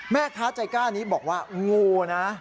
แม่ค้าใจกล้านี้บอกว่างูนะ